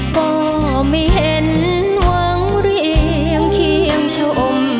ก็ไม่เห็นหวังเรียงเคียงชม